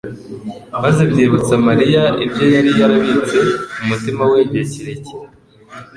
maze byibutsa Mariya ibyo yari yarabitse mu mutima we igihe kirekire.